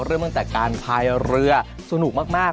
เริ่มตั้งแต่การพายเรือสนุกมาก